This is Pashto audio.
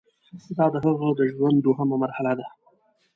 دا د هغه د ژوند دوهمه مرحله ده.